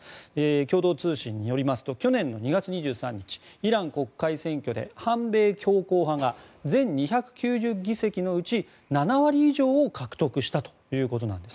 共同通信によりますと去年の２月２３日イラン国会選挙で反米強硬派が全２９０議席のうち７割以上を獲得したということです。